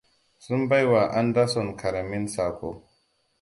Sun baiwa Anderson ƙaramin saƙo.